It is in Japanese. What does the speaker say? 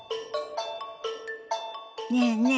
ねえねえ